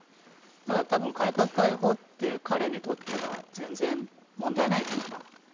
だから多分、改革開放という彼にとっては全然、問題ない言葉。